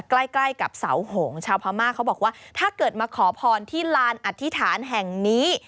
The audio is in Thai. ใกล้ใกล้กับเสาโหงชาวพม่าเขาบอกว่าถ้าเกิดมาขอพรที่ลานอธิษฐานแห่งนี้